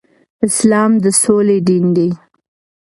اسلام د سولې دين دی